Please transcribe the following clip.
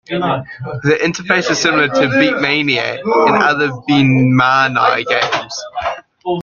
The interface is similar to "beatmania" and other Bemani games.